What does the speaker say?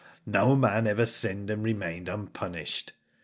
No man ever sinned and remained unpunished.